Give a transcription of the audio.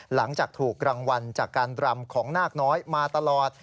หลังจากถูกรางวัลจากการรำของนาคน้อยมาตลอด